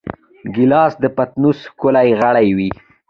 ګیلاس د پتنوس ښکلی غړی وي.